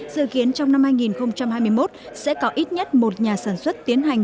dự kiến trong năm hai nghìn hai mươi một sẽ có ít nhất một nhà sản xuất tiến hành